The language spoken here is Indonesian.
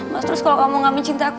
mas terus kalau kamu nggak mencintai aku